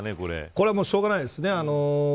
これはもうしょうがないですね。